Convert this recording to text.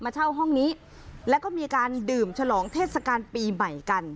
เช่าห้องนี้แล้วก็มีการดื่มฉลองเทศกาลปีใหม่กัน